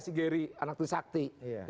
si geri anak tisakti